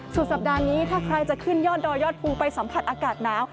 สุดสัปดาห์นี้ถ้าใครจะขึ้นยอดดอยยอดภูไปสัมผัสอากาศหนาว